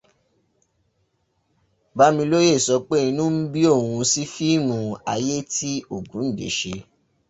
Bámilóyè sọ pé inú ń bí òun sí fíìmù ayé tí Ògúǹdé ṣe